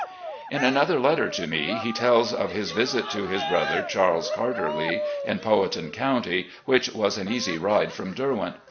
In another letter to me he tells of his visit to his brother Charles Carter Lee, in Powhatan County, which was an easy ride from " Derwent."